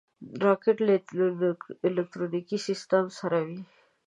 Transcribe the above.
راکټ له الکترونیکي سیسټم سره وي